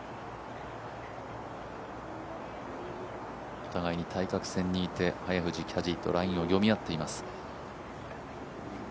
お互いに対角線にいて、早藤キャディーとラインを読み合っています。